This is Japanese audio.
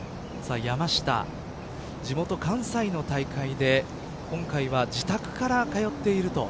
山下、地元関西の大会で今回は自宅から通っていると。